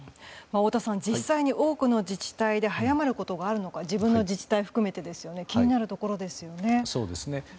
太田さん、実際に多くの自治体で早まることがあるのか自分の自治体を含めて気になるところですよね。